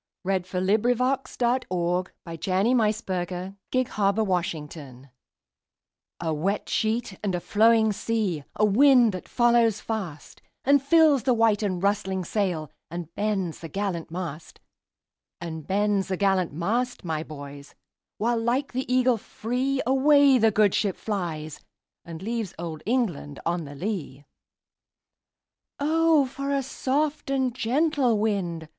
1875. Allan Cunningham CCV. "A wet sheet and a flowing sea" A WET sheet and a flowing sea,A wind that follows fastAnd fills the white and rustling sailAnd bends the gallant mast; And bends the gallant mast, my boys, While like the eagle freeAway the good ship flies, and leavesOld England on the lee."O for a soft and gentle wind!"